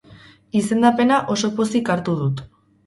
Izendapena oso pozik hartu dut.